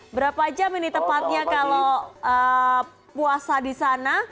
berapa jam ini tepatnya kalau puasa di sana